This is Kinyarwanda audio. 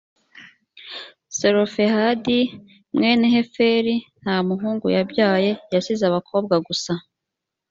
selofehadi mwene heferi nta muhungu yabyaye yasize abakobwa gusa.